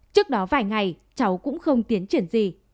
trước đó vài ngày cháu cũng không tiến triển gì